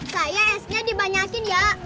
saya esnya dibanyakin ya